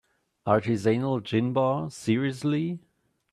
Artisanal gin bar, seriously?!